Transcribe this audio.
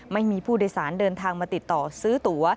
ไม่มีผู้โดยสารเดินทางมาติดต่อซื้อตัว